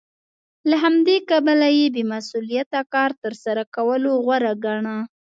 له همدې کبله یې بې مسوولیته کار تر سره کولو غوره ګاڼه